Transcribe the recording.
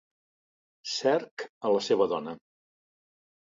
Cerc a la seva dona.